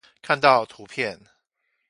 看到圖片